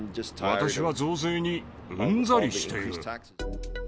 私は増税にうんざりしている。